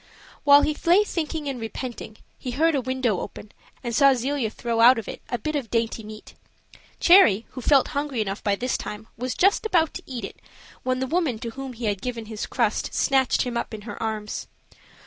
While he lay thinking and repenting, he heard a window open and saw Zelia throw out of it a bit of dainty meat. Cherry, who felt hungry enough by this time, was just about to eat it, when the woman to whom he had given his crust snatched him up in her arms.